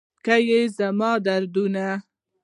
که یې زما دردونه